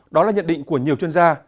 đó là nhận định của nhiều chuyên gia